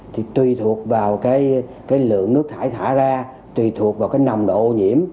thì tùy thuộc vào lượng nước thải thả ra tùy thuộc vào nồng độ ô nhiễm